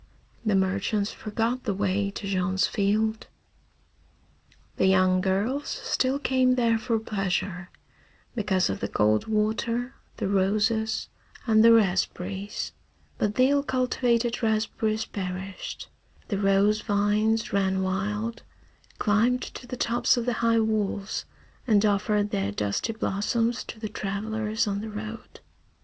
The merchants forgot the way to Jean's field. The young girls still came there for pleasure, because of the cold water, the roses, and the raspberries; but the ill cultivated raspberries perished, the rose vines ran wild, climbed to the tops of the high walls, and offered their dusty blossoms to the travellers on the road.